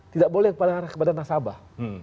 tidak boleh pada nasabah